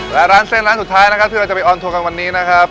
และร้านเส้นร้านสุดท้ายนะครับที่เราจะไปออนทัวร์กันวันนี้นะครับ